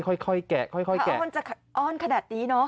ค่อยค่อยแกะค่อยค่อยแกะอ้อนจะอ้อนขนาดนี้เนอะ